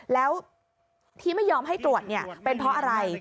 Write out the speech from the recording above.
แล้วที่ไม่ยอมให้ตรวจเป็นเพราะอะไร